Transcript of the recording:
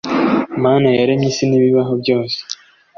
mana yaremye isi nibibaho byose